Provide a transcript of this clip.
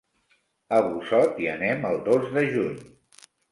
A Busot hi anem el dos de juny.